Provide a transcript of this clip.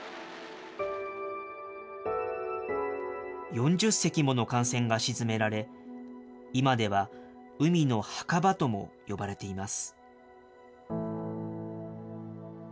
４０隻もの艦船が沈められ、今では海の墓場とも呼ばれています。